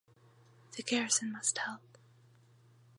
The garrison must help.